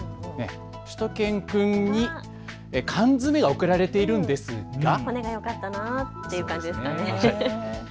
しゅと犬くんに缶詰が送られているんですが骨がよかったなという感じですかね。